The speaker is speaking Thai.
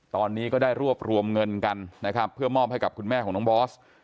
ตอนนี้ก็ได้รวบรวมเงินกันนะครับเพื่อมอบให้กับคุณแม่ของน้องบอส